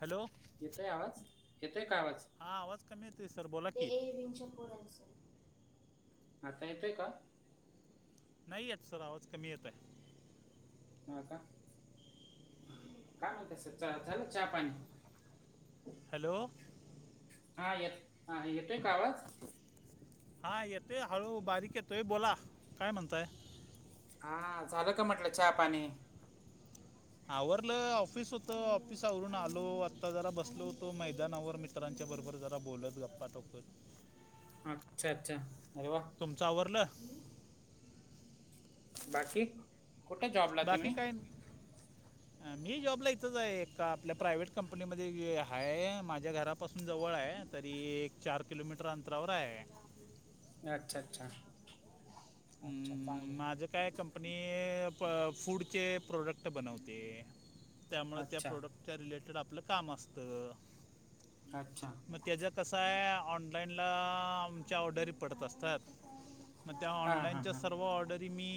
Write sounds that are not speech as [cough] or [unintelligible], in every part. Hello येतोय आवाज? येतोय का आवाज? हा आवाज कमी येतोय सर बोला ते की ए विंगच्या पोरांच, आता येतोय का? नाही येत सर आवाज कमी येत आहे. आता? काय म्हणता सर झालं का चहा, पाणी? हॅलो. हा येतो हा येतोय का आवाज? हा येतोय हळु बारीक येतोय बोला, काय म्हणताय? हा झालं का म्हटलं चहा, पाणी? आवरलं ऑफिस होत. आत ऑफिसावरून आलो आत्ता जरा बसलो मैदानावर मित्रांच्याबरोबर जरा बोलत गप्पा ठोकत. अच्छा, अच्छा अरे वा. तुमचं आवरलं? बाकी? कुठ जॉबला? बाकी तुम्ही काय नाही. मी जॉबला इथंच आहे ए आपल्या प्रायव्हेट कंपनीमध्ये हाये माझ्या घरा पासून जवळ आहे तरी एक चार किलोमीटर अंतरावर आहे. अच्छा, अच्छा चांगलंय. हम्म, माझं काय कंपनी फूडचे प्रोडक्ट बनवते. त्यामुळे त्या अच्छा प्रोडक्टच्या रिलेटेड आपलं काम असतं. छान, छान. मग त्याचं कसं आहे ऑनलाईनला आमच्या ऑर्डरी पडत असतात मग त्या हा ऑनला हा हा व ऑर्डरी मी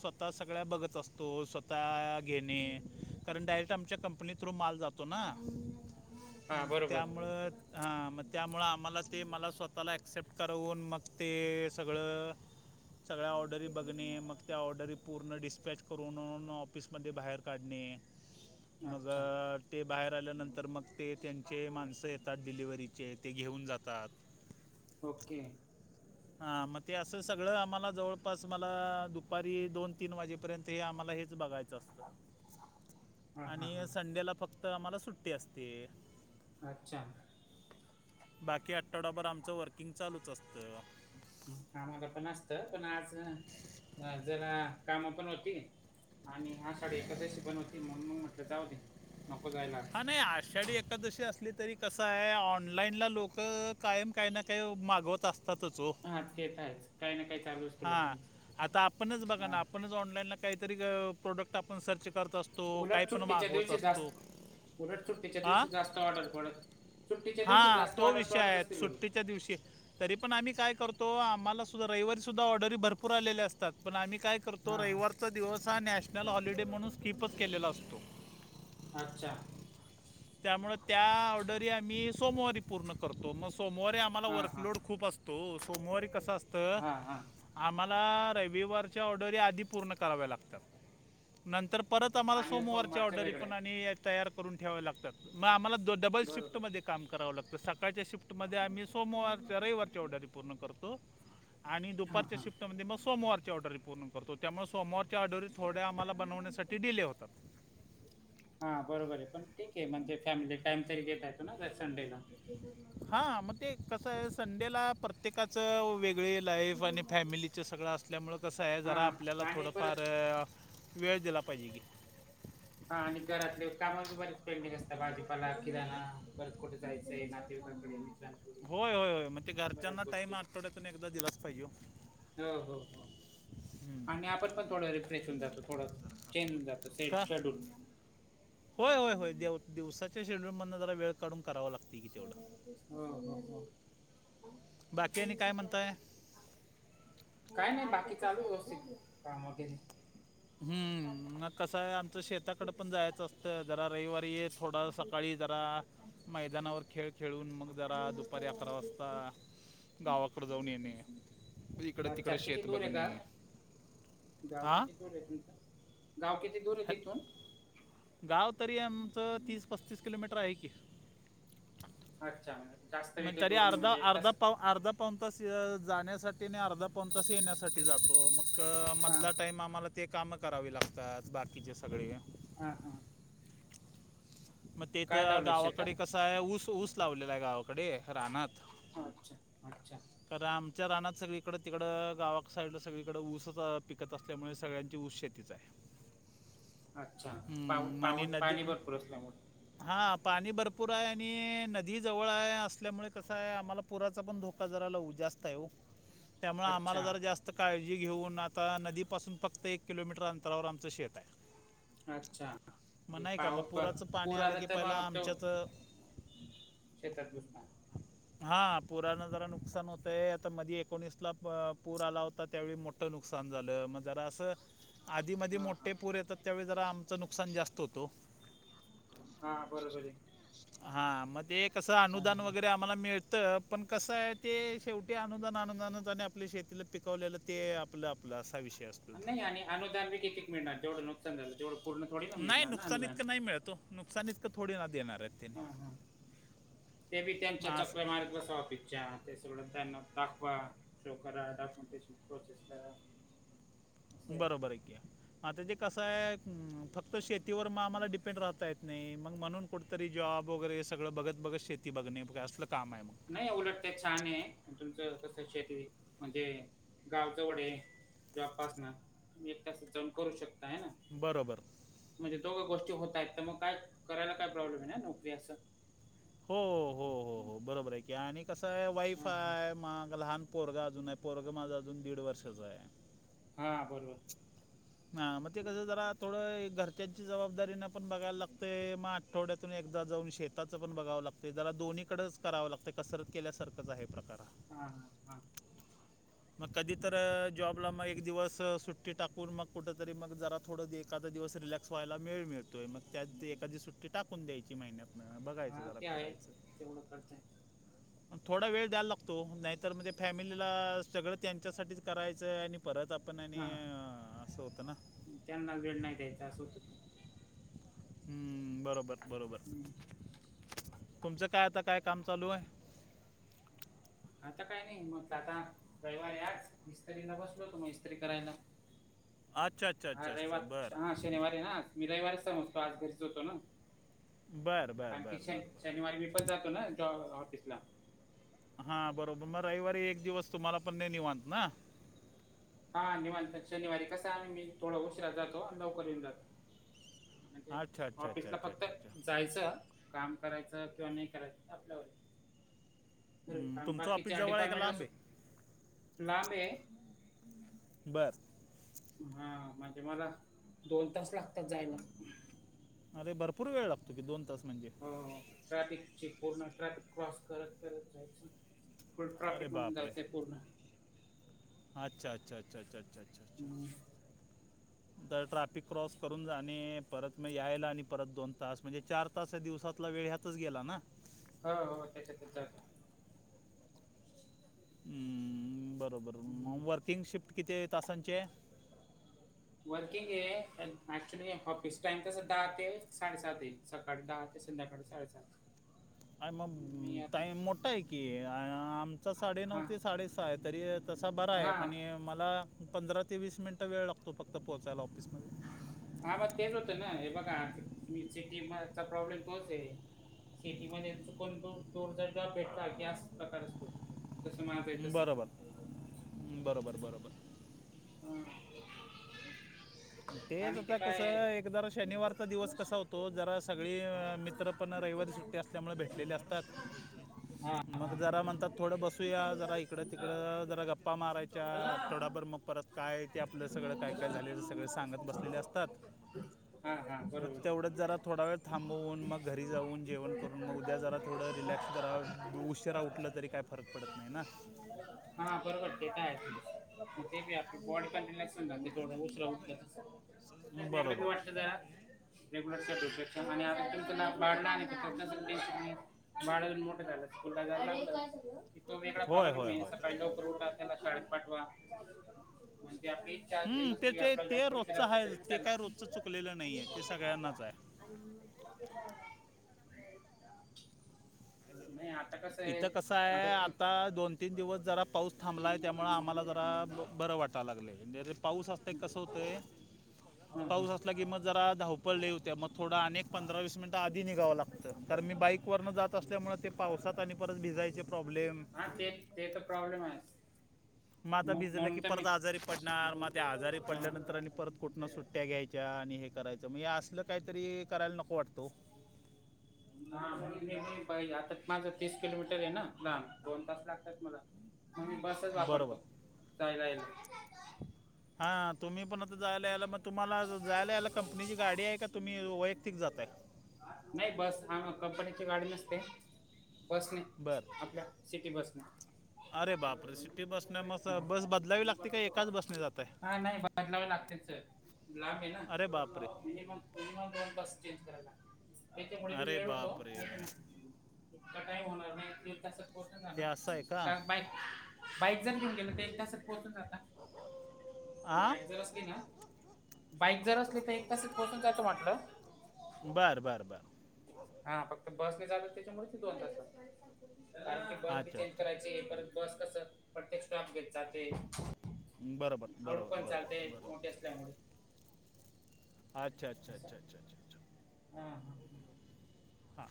स्वतः सगळ्या बघत असतो स्वतः घेणे कारण डयरेक्ट आमच्या कंपनी थ्रू माल जातो. ना हा बरोबर त्यामुळं हां मग त्यामुळं आम्हाला ते मला स्वतःला ॲक्सेप्ट करवून मग ते सगळं सगळ्या ऑर्डरी बघणे मग त्या ऑर्डरी पूर्ण डिस्पॅच करून ऑफिसमध्ये बाहेर काढणे. मग अच्छा ते बाहेर आल्यानंतर मग ते त्यांचे माणसं येतात डिलिवरीचे ते घेऊन जातात. ओके. हा मग ते असं सगळं आम्हाला जवळपास मला दुपारी दोन, तीन वाजेपर्यंत हे आम्हाला हेच बघायचं. हा हा आणि हा संडेला फक्त आम्हाला सुट्टी असते. अच्छा. बाकी आठवडाभर आमचं वर्किंग चालच असतं. हा आम्हाला पण असत पण आज जरा काम पण होती आणि हा आषाढी एकादशी पण होती म्हणून मग म्हटलं जाऊ दे. नको जायला. आज हा नाही आषाढी एकादशी असल तरी आहे कसं ऑनलाईनला लोक कायम काही ना काही मागवत असतातच ओ. ह घेतताय काही ना काही चालू असतं हा लोकांचं आता आपणच बघा हा. ना आपणच ऑनलाईनला काहीतरी प्रोडक्ट आपण सर्च करत असतो. काही उलट पण सुट्टीच्या मागवत दिवशी जास्त असतो ऑर्डर उलटं सुट्टी च्या दिवशी जास्त ऑर्डर पडत. हा तो विषय आहे असतील उलट सुट्टीच्या दिवशी. तरी पण आम्ही काय करतो आम्हाला सुद्धा रविवारी सुद्धा ऑर्डरी भरपूर आलेले असतात पण आम्ही काय करतो हा हा रविवारचा दिवस हा नॅशनल हॉलिडे म्हणून स्कीपच केलेला असतो. अच्छा. त्यामुळं त्या ऑर्डरी आम्ही सोमवारी पूर्ण करतो मग सोमवारी आम्हाला हा हा वर्कलोड खूप असतो. तो सोमवारी कसां असतं हा हा आम्हाला रविवारच्या ऑर्डर या आधी पूर्ण कराव्या लागतात. नंतर परत आम्हाला आणि सोमवारची सोमवारच्या ऑर्डरी वेगळ्या पण आणि तयार करून ठेवाव्या लागतात. मग आम्हाला द डबल बरोबर शिफ्टमध्ये काम करावं लागतं सकाळच्या शिफ्ट ममध्ये आम्ही सोमवारच्या रविवारची ऑर्डर पूर्ण करतो आणि हा दुपारच्या हा शिफ्टमध्ये मग सोमवारची ऑर्डर. पूर्ण करतो त्यामुळे सोमवारी ऑडरी थोड्या आम्हाला बनवण्यासाठी होतात डिले होतात. [inaudible] हा बरोबर आहे पण ठीक आहे म्हणजे फॅमिली टाइम तरी देत येतो ना संडेला. हा मग ते कसं आहे संडेला प्रत्येकाचं वेगळ सगळी लाईफ आणि फॅमिलीच सगळं असल्यामुळे कसं आहे हा जरा आपल्याला आणि थोडंफार परत वेळ दिला पाहिजे की. [unintelligible] हा आणि घरातले काम बी बरेच पेंडिंग असतात भाजीपाला, किराणा परत कुठे जायचं [unintelligible] होय होय घरच्यांना टाइम आठवड्यातून एकदा दिलाच पाहिजे‌‌. हो हो हो आणि आपण पण थोडं रिफ्रेश होऊन जातो थोडस. चेंज जात का सेंड शेड्यूलचेंज. होय होय होय देव दिवसाच्या शेड्यूल मधन जरा वेळ कडून करावं लागत. हम् हम हम. बाकी आणि काय म्हणताय? काय नाय बाकी चालू् व्यवस्थित काम वगैरे. हम्म मग कसंय आहे आमच शेताकडं पण जायचं असत्- तर जरा रविवारी ये थोडा सकाळी जरा मैदानावर खेळ. खेळून मग जरा दुपारी अकरा वाजता. गावाकडं जाऊन येणे इकडं अच्छा तिकडं किती शेत दूर आहे बघणे. गाव? गाव हां किती दूरे तुमचं गाव किती दूरे तिथून. गाव तरी आमचं तीस पस्तीस किलोमीटर आहे की. अच्छा म जास्तबी मग काई तरी दुर नई अर्धा म्हंजे अर्धा तस- पाव अर्धा पाऊन तास जाण्यासाठी नी अर्धा पाऊनतास येण्यासाठी जातो मग- कं हा मधला टाईम आम्हाला ते कामं करावे लागतात बाकीचे सगळे. हा-हा. म काय तेथं लावलंय गावाकडे शेतात कसाय ऊस ऊस लावलेलाय गावाकडे रानात. अच्छा अच्छा. कारण, आमच्या रानात सगळीकडं तिकडं गावा साईडला सगळीकडं ऊसच अ पिकत असल्यामुळे सगळ्यांची ऊस शेती तीच हाय. अच्छा पाऊ पाऊस पाणी भरपूर असल्यामुळ हा पाणी भरपूर हाय आणि नदी जवळ हाय असल्यामुळे कसाय आहे आम्हाला- पुराचा पण धोका जरा लऊ जास्त हाय ओ. [inaudible] त्यामुळं आम्हाला अच्छा जरा जास्त फक्त काळजी घेऊन, आता नदीपासून फक्त एक किलोमीटर अंतरावर आमचं शेत हाय अच्छा, का मग पुराचं [unintelligible] पाणी पुर आलं आला की त म पहिला मग तो आमच्याच शेतात घुसणार. हा पुरानं जरा नुकसान होतंय आता मधी एकोणीसला अ पूर आला होता त्यावेळी मोठ् ठ्, नुकसान झालं म जरा अस आधीमधी हा हा मोठे पूर येतात त्यावेळी जरा आमचं नुकसान जास्त होतं ओ. हा बरोबर हे. हा म ते कसं अनुदान हा. वगैरे आम्हाला मिळत पण कसाय ते शेवटी अनुदान अनुंदानच आणि आपल्या शेतीला पिकवलेलं ते आपलं आपलं असा विषय असत्- नाही आणि अनुदान बी कितीक मिळणार जेवढं नुकसान झालं तेवढं- पूर्ण थोडी ना नाय मिळणार ना नुकसान अनुदान ईतकं नाई मिळत ओ नुकसान ईतकं थोडी ना देणारायत. हा हा, ते बी त्यांच्या चकरा असं मारीत बसा ऑफीसच्या ते सोडून त्यांना दाखवा, शो करा, डॉक्युमेंटेशनची प्रोसेस करा असं आहे बरोबर हाय की, आता ते कसाय अ फक्त शेतीवर म आम्हाला डिपेंड राहतायेत नई मग म्हणून कुठंतरी जॉब वगैरे सगळं बघत बघत शेती बघणे असलं काम आहे मग? नाई उलट ते छान ये, तुमचं कस शेती म्हणजे गाव जवडे जाॅबपासनं एक तासात जाऊन करू शकताय हाय ना? बरोबर म्हणजे दोघं गोष्टी होतायत, त म काय करायला काय प्रॉब्लेम हाय ना नोकरी अस हो हो हो हो बरोबर हाय की, आणि कसाय वाईफ हां हां. हाय मागं लहान पोरग अजूनाय, पोरगं माझं अजून दिड वर्षाच हाय हा बरोबर. हा म ते कसं जरा थोडं हे घरच्यांची जबाबदारीनं पण बघाय लागतंय म आ आठवड्यातून एकदा जाऊन शेताचं पण बघावं लागतय, जरा दोन्हीकडच करावं लागतंय कसरत केल्यासारखंच आहे प्रकार हा. हां हां हां. मग कधी तर अ जॉबला म एक दिवस सुट्टी टाकून मग कुठ तरी मग जरा थोडं एखादा दिवस रिलॅक स व्हायला मेळ मिळतोय मग त्यात एखादी सुट्टी टाकून द्यायची महिन्यात अ बघायचं हां जरा ते आहे. फिरायच तेवढं करता येतं. थोडा वेळ द्यायला लागतो ओ, नाहीतर म ते फॅमिलीला सगळं त्यांच्यासाठीच करायच, आणि परत आपण आणि हां असं होत ना त्यांना वेळ नाही द्यायचा असं होत हो ते. हम्म बरोबर बरोबर. हम्म. तुमचं काय आता, काय काम चालू आहे? आता काही नाही मग आता रविवार आहे आज ईस्त्रीला बसलो होतो मग ईस्त्री करायला. अच्छा अ हा रविवार हा शनिवारी ना मी रविवारच समजतोय, आज घरीच होतो ना बर बर कारण बर की बर शनी बर शनिवारी मी पण जातो ना जॉब ऑफिसला. हा बरोबर म रविवारी एक दिवस तुम्हाला पण नाय निवांत ना. हा निवांत शनिवारी कसा आ मी थोडा उशीरा जातो आणि लवकर येऊन जातो. म्हणजे अच्छा अच्छा अच्छा ऑफिसला अच्छा फक्त अच्छा अच्छा जायचं काम करायचं किंवा नाही करायचं ते आपल्यावरती. हम्म, [unintelligible] तुमचं ऑफिस बाकीच्या जवळ आहे का डिपार्टमेंटला लांब आहे सूट लाब आहे. बरं. हा म्हणजे मला दोन तास लागतात जायला. अरे भरपूर वेळ लागतो दोन तास म्हणजे. हो ट्रॅफिक ची पूर्ण ट्रॅफिक क्रॉस करत-करत जायची. फुल अरे ट्रॅफिक मधून बापरे जायचंय पूर्ण. अच्छा अच्छा अच्छा अच्छा अच्छा अच्छा अच्छा. म तर ट्रॅफिक क्रॉस करून जाणे परत म यायला आणि परत दोन तास म्हणजे चार तास ह्या दिवसातला वेळ ह्यातच गेला ना. हो हो त्याचातच जाते. हम्म बरोबर हम्म. मग वर्किंग शिफ्ट आहे किती तासांचे? [inaudible] वर्किंग आहे ऍक्च्युली ऑफिस टाइम तसं दहा ते साडेसात आहे. सकाळी दहा ते संध्याकाळी साडेसात. आय मम मी आता टाईम मोठा आहे की आमचा साडेनऊ हां ते साडेसहा आहे. तरी तसा बरा आहे हां पण मला पंधरा ते वीस मिनटं वेळ लागतो फक्त पोहोचायला ऑफिसमध्ये. हा म तेच होतो ना हे बघा सी म सिटी मचा प्रॉब्लेम तोच आहे. सिटी मध्ये चुकून दो दोन जर जॉब भेटला की असं प्रकार असतो. तसं माझ आहे तसा बरोबर बरोबर बरोबर हा. तेच आणि ते आता काय आहे, कसं एक जर शनिवारचा दिवस कसा होतो जरा सगळी मित्र पण रविवारी सुट्टी अस त्यामुळे भेटलेले असतात. हां मग हां जरा म्हणतात थोडं बसूया जरा इकडं तिकडं जरा गप्पा मारायच्या चला आठवडा भर मग परत काय ते आपलं सगळं काय काय झालं सगळं सांग त बसलेल्या अस हा हा. मग बरोबर. तेवढंच जरा थोडा वळ थांबवून मग घरी जाऊन जेवण करून मग उद्या जरा थोडं रिलॅक असं जरा उशिरा उठला तरी काय फरक पडत नाही ना. हा बरोबर ते काय गं ते बी आपली बॉडी पण रिलॅक्स होऊन जाते थोडं उशीरा उठलं तर. नाही तिकडे बी बरोबर वाट शे जरा. रेग्युलर. [unintelligible] वाडन मोठं झाला असेल. [unintelligible] तो वेगळा होय प्रॉब्लेम होय आहे होय सकाळी लवकर उठा त्याला शाळेत पाठवा म्हणजे आपली चार्जिंग हम्म, ते असली ते आपलं ते रोजचं आहे [unintelligible] ते त्यांला. काय रोजचं चुकलेलं नाही आणि. आहे ते सगळ्यांनाच आहे [inaudible] नाही आता कसं इथं कसं आहे आता दोन-तीन दिवस जरा पाऊस थांबला आहे त्यामुळं आम्हाला जरा ब बरं वाटावं लागलय. ने रे पाऊस असतय कसं होतोय हा. पाऊस असला की मग जरा धावपळ लय होतेय मग थोडा अने पंधरा वीस मिनिटं आधी निघाव लाग कारण, मी बाईक वरन जात असल्यामुळे पाऊसा ते आणि परत भिजायचे प्रॉब्लेम. हा ते ते, तर प्रॉब्लेम आहे. मग आता भिजलं की म्हणून तर मी परत आजारी पडणार, मग त्या आजारी हा. पडल्यानंतर आणि परत कुठनं सुट्ट्या घ्यायची. आणि, हे करायचं म्हणजे असल काहीतरी करायला नको वाटतो. हा, आता माझं तीस किलोमीटर आहे ना लांब दोण तास लागतात मला, मग मी बसच बरोबर वापरतो.. जायला ना हा तुम्ही पण आता जायला यायला मग, तुम्हाला जायला याला कंपनीची गाडी आहे, का तुम्ही वैयक्तिक जातय. नाही बस हा कंपनीची गाडी नसते. बस नाही बरं आपल्या सिटी बसने? अरे, बापरे सिटी बसने मस हा. बस बदलावी लागते का एकाच बसने जातय. नही बदलाव लागते? ब आहे ना अरे बापरे मिनम दोन चेंज करायला [inaudible] त्याथे पुढ मी अरे वेळ होतो. बापरे इक काई होणार नाही तस कोोठ जा हे ना असं आहे का बाईक [unintelligible] बाईक जर कोण गलं तर एक तासात पोहोचून जाता हां बाईक जर असली ना. बाईक जर असली, तर एक पास पोहचून जायचं म्हटलं. बर बर बर. हा, फक्त बसने झाल त्याच्यामुळे दोन तास कारण की बस बी अच्छा चेंज अच्छा करायची आहे. परत बस कस प्रत्येक स्टॉप घेतचा ते. बरोबर हळड बरोबर पण चालते बरोबर मोठे बरोबर असल्यामुळे अच्छ अ्छ असं अ्छ अ्ा अ्ा हा हा हा, हां.